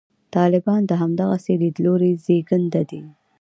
طالبان د همدغسې لیدلوري زېږنده دي.